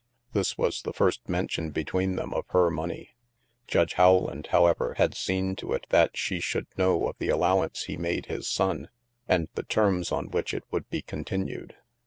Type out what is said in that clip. This was the first mention between them of her money. Judge Howland, however, had seen to it that she should know of the allowance he made his son, and the terms on which it would.be continued.